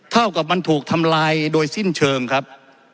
เท่ากับมันถูกทำลายโดยสิ้นเชิงครับ